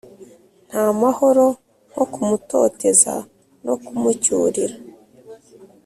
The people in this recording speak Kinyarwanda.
nta mahoro nko kumutoteza no kumucyurira